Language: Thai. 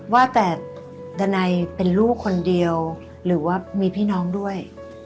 ว่าแต่ดันัยเป็นลูกคนเดียวหรือว่ามีพี่น้องด้วย